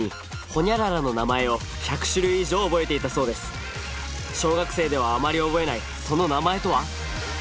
まずは小学生ではあまり覚えないその名前とは？